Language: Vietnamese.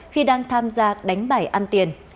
khi đang tham gia đánh bảy ăn tiền